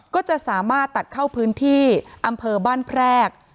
ก็จะสามารถตัดเข้าพื้นที่อำเภอบ้านแพรก